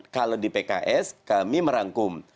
kalau di pks kami merangkum